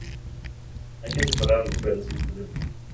Hay que superarlo, pero sin perderlo.